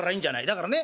だからね